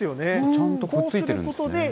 ちゃんとくっついているんですね。